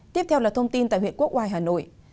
tiếp theo là thông tin tại huyện quốc oai hà nội